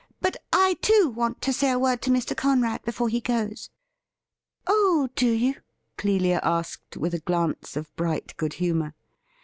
But I, too, want to say a word to Mr. Conrad before he goes.' 'Oh, do youi"' Clelia asked, with a glance of bright good humour.